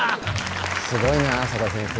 すごいな佐田先生